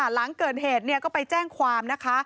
หลังเกิดเหตุก็ไปแจ้งความนะคะ